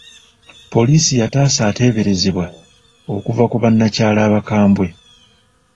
Poliisi yataasa ateeberezebwa okuva ku bannakyalo abakwambwe.